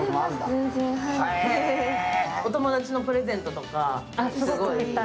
お友達のプレゼントとか、すごいいい。